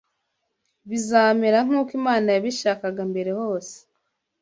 Bizamera nk’uko Imana yabishakaga mbere hose